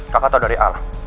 kaka tau dari alam